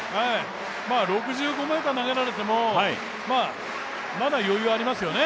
６５ｍ投げられてもまだ余裕ありますよね。